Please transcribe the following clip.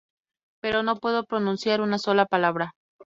Pero no pudo pronunciar una sola palabra.